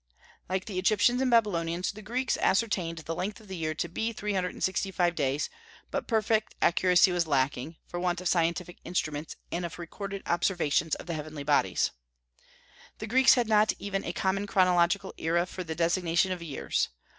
Like the Egyptians and Babylonians, the Greeks ascertained the length of the year to be three hundred and sixty five days; but perfect accuracy was lacking, for want of scientific instruments and of recorded observations of the heavenly bodies. The Greeks had not even a common chronological era for the designation of years.